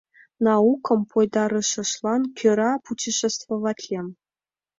Наукым пойдарышашлан кӧра путешествоватлем.